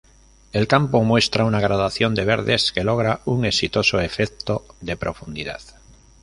El campo muestra una gradación de verdes que logra un exitoso efecto de profundidad.